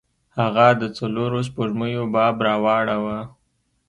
هغه د څلورو سپوږمیو باب راواړوه.